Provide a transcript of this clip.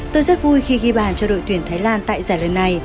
tôi rất vui khi ghi bàn cho đội tuyển thái lan tại giải lần này